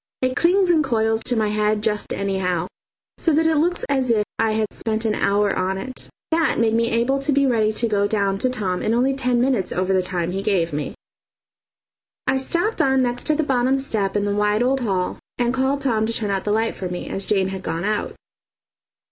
It clings and coils to my head just anyhow, so that it looks as if I had spent an hour on it. That made me able to be ready to go down to Tom in only ten minutes over the time he gave me. I stopped on next to the bottom step in the wide old hall and called Tom to turn out the light for me, as Jane had gone out.